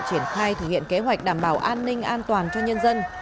triển khai thực hiện kế hoạch đảm bảo an ninh an toàn cho nhân dân